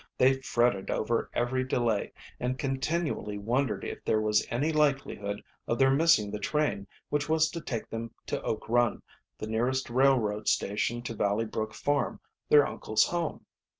They fretted over every delay, and continually wondered if there was any likelihood of their missing the train which was to take them to Oak Run, the nearest railroad station to Valley Brook farm, their uncle's home.